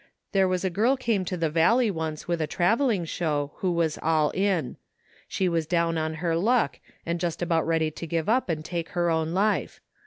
There was a girl came to the Valley once with a travelling show who vras all in. She was down on her luck and THE FDa)ING OF JASFEB HOLT just about ready to give up and take her own life.